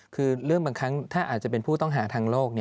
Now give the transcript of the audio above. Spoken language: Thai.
คือเรื่องบางครั้งถ้าอาจจะเป็นผู้ต้องหาทางโลก